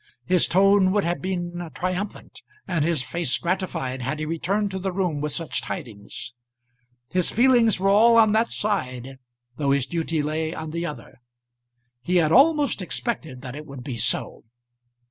His tone would have been triumphant, and his face gratified, had he returned to the room with such tidings. His feelings were all on that side, though his duty lay on the other. He had almost expected that it would be so.